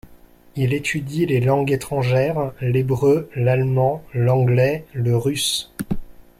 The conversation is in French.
Il étudie les langues étrangères, l’hébreu, l’allemand, l’anglais, le russe.